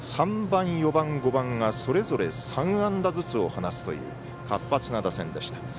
３番、４番、５番がそれぞれ３安打ずつを放つという活発な打線でした。